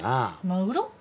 まぐろ？